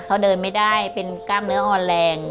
เขาเดินไม่ได้เป็นกล้ามเนื้ออ่อนแรง